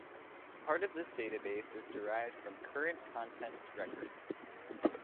Part of this database is derived from Current Contents records.